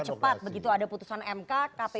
begitu cepat begitu ada putusan mk kpu